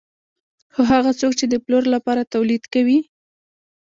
خو هغه څوک چې د پلور لپاره تولید کوي